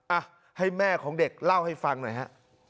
อ่ะให้แม่ของเด็กเล่าให้ฟังหน่อยฮะ